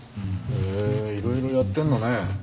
へえいろいろやってるのね。